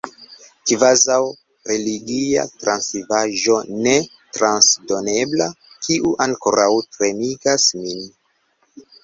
Kvazaŭ religia travivaĵo ne transdonebla, kiu ankoraŭ tremigas min.